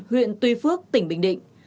huyện tuy phước tỉnh bình định